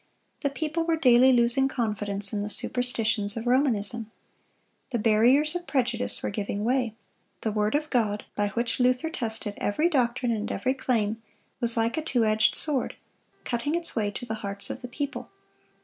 The people were daily losing confidence in the superstitions of Romanism. The barriers of prejudice were giving way. The word of God, by which Luther tested every doctrine and every claim, was like a two edged sword, cutting its way to the hearts of the people.